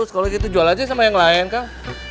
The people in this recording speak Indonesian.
kalau gitu jual aja sama yang lain kak